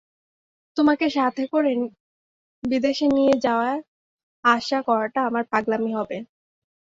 তোমাকে সাথে করে বিদেশে নিয়ে যাওয়ার আশা করাটা আমার পাগলামি হবে।